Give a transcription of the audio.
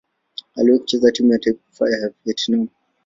Aliwahi kucheza timu ya taifa ya Vietnam.